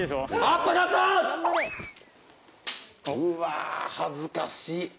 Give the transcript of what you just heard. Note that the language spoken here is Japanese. うわ恥ずかしい。